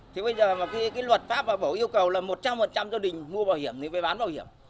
thế bây giờ mà cái luật pháp bảo yêu cầu là một trăm linh gia đình mua bảo hiểm thì phải bán bảo hiểm